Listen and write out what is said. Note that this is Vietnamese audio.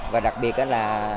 và đặc biệt là